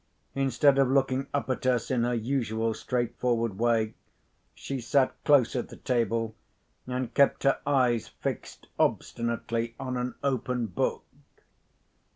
Instead of looking up at us in her usual straightforward way, she sat close at the table, and kept her eyes fixed obstinately on an open book.